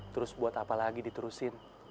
terus buat apalagi diterusin